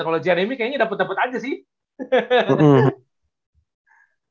kalau jeremy kayaknya dapet dapet aja sih